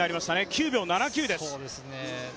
９秒７９です。